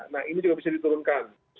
nah ini juga bisa diturunkan